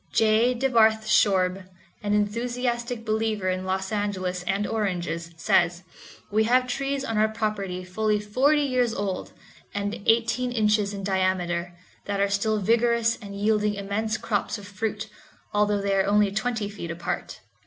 J. DeBarth Shorb, an enthusiastic believer in Los Angeles and oranges, says, "We have trees on our property fully forty years old, and eighteen inches in diameter, that are still vigorous and yielding immense crops of fruit, although they are only twenty feet apart."